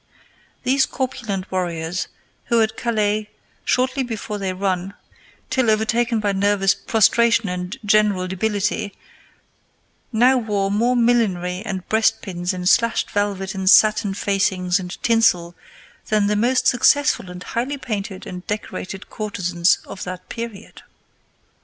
These corpulent warriors, who at Calais shortly before had run till overtaken by nervous prostration and general debility, now wore more millinery and breastpins and slashed velvet and satin facings and tinsel than the most successful and highly painted and decorated courtesans of that period.